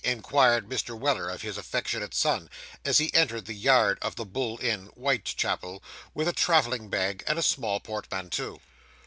inquired Mr. Weller of his affectionate son, as he entered the yard of the Bull Inn, Whitechapel, with a travelling bag and a small portmanteau.